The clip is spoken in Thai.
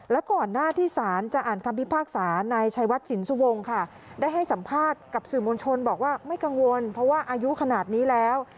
และก่อนหน้าที่สารจะอ่านคำพิพากษานายชัยวัดสินสุวงค่ะได้ให้สัมภาษณ์กับสื่อมวลชนบอกว่าไม่กังวลเพราะว่าอายุขนาดนี้แล้ว